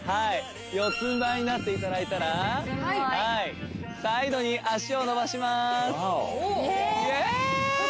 四つんばいになっていただいたらサイドに脚を伸ばしますイエース！